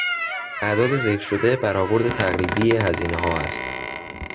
اعداد ذکر شده برآورد تقریبی هزینهها است.